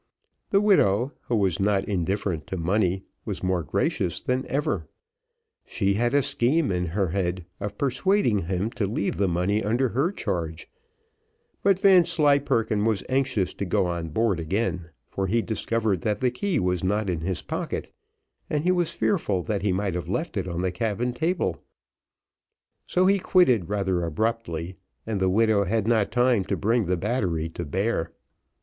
The widow, who was not indifferent to money, was more gracious than ever. She had a scheme in her head of persuading him to leave the money under her charge; but Vanslyperken was anxious to go on board again, for he discovered that the key was not in his pocket, and he was fearful that he might have left it on the cabin table; so he quitted rather abruptly, and the widow had not time to bring the battery to bear.